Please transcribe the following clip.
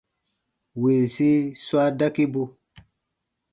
Winsi swa dakibu.